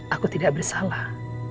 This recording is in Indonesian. aku tidak bersalah